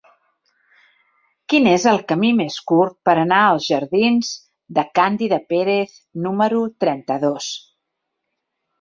Quin és el camí més curt per anar als jardins de Càndida Pérez número trenta-dos?